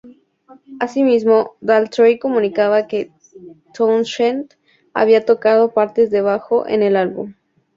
Asimismo, Daltrey comunicaba que Townshend había tocado partes de bajo en el álbum.